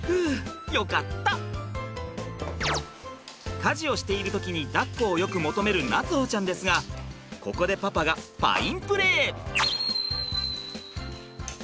家事をしている時にだっこをよく求める夏歩ちゃんですがここでパパがファインプレー！